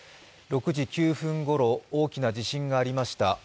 ６時９分ごろ、大きな地震がありました。